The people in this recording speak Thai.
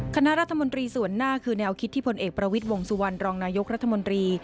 คณะรัฐมนตรีส่วนหน้าคือแนวคิดที่พลเอกประวิทย์วงสุวรรณรองนายกรัฐมนตรี